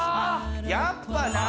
やっぱな！